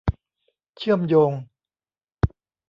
เชื่อมโยง